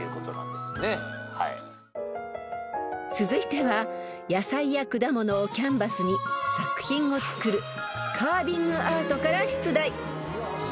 ［続いては野菜や果物をキャンバスに作品を作るカービングアートから出題］